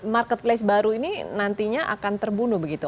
marketplace baru ini nantinya akan terbunuh begitu